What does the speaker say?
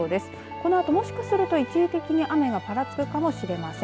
このあと、もしかすると一時的に雨がぱらつくかもしれません。